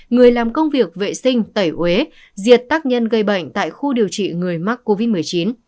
người làm công việc vệ sinh tẩy uế diệt tác nhân gây bệnh tại khu điều trị người mắc covid một mươi chín